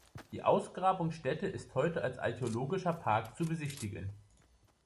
Die Ausgrabungsstätte ist heute als archäologischer Park zu besichtigen.